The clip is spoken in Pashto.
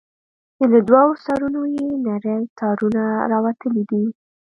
چې له دوو سرونو يې نري تارونه راوتلي دي.